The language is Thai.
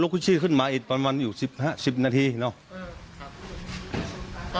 ลูกคุยชีสขึ้นมาอีกประมาณอยู่สิบถ้าสิบนาทีเนอะเออครับ